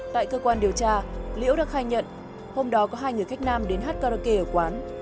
tại cơ quan điều tra liễu đã khai nhận hôm đó có hai người khách nam đến hát karaoke ở quán